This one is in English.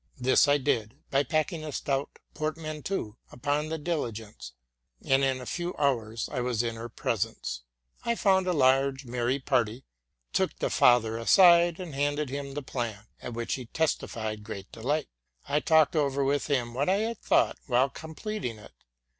This I did by packing a stout portmanteau upon the diligence, and in a few hours I was in her presence. I found a large, merry party, took the father aside, and handed him the plan, at which he testified great delight. I talked over with him what I had thought while completing it.